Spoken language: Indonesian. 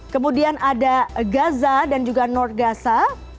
kemudian ada gaza dan juga nort gaza